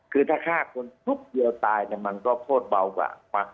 คือถ้าฆ่าคนปุ๊บเดียวตายมันก็โทษเบากว่า